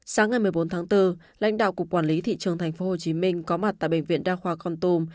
sáng ngày một mươi bốn tháng bốn lãnh đạo cục quản lý thị trường tp hcm có mặt tại bệnh viện đa khoa con tum